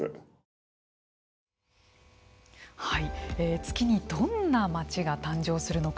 月にどんな町が誕生するのか。